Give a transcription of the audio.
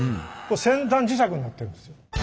先端磁石になってるんですよ。